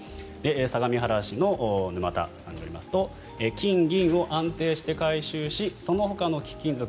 相模原市の沼田さんによりますと金銀を安定して回収しそのほかの貴金属